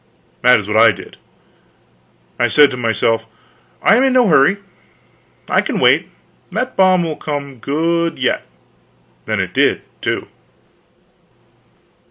That is what I did. I said to myself, I am in no hurry, I can wait; that bomb will come good yet. And it did, too.